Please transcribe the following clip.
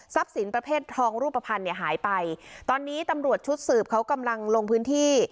สินประเภททองรูปภัณฑ์เนี่ยหายไปตอนนี้ตำรวจชุดสืบเขากำลังลงพื้นที่